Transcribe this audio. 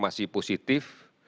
kami masih positif